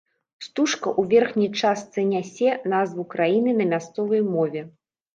Стужка ў верхняй частцы нясе назву краіны на мясцовай мове.